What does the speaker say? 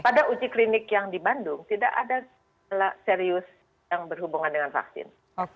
pada uji klinik yang di bandung tidak ada serius yang berhubungan dengan vaksin